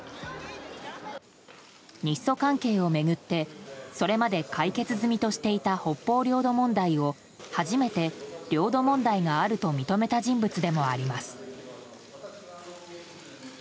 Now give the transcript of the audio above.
日ソ関係を巡ってそれまで解決済みとしていた北方領土問題を初めて領土問題があると認めた人物でもあります。